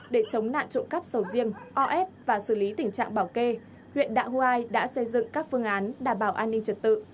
để chống nạn trộm cắp sầu riêng o ép và xử lý tình trạng bảo kê huyện đạ hoai đã xây dựng các phương án đảm bảo an ninh trật tự